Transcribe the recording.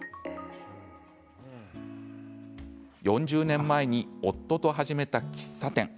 ４０年前に夫と始めた喫茶店。